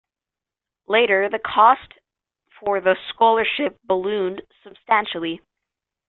Later, the costs for the scholarship ballooned substantially.